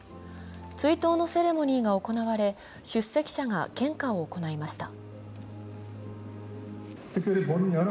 追悼のセレモニーが行われ出席者が献花を行いました。